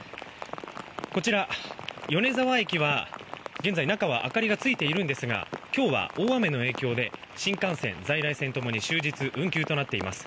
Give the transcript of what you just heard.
こちら、米沢駅は現在中は明かりがついていますが今日は大雨の影響で新幹線、在来線ともに終日運休となっています。